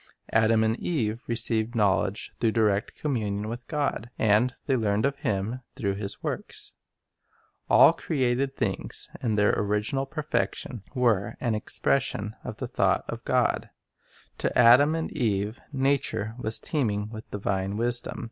Adam and Eve received knowledge through direct communion with God; and they learned of Him through His works. All created things, in their original perfection, were an ' Luke id : 27. Matt. 22 : 39. Source and Aim of Trice Education I? expression of the thought of God. To Adam and Eve nature was teeming with divine wisdom.